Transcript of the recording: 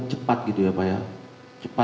cepat gitu ya pak ya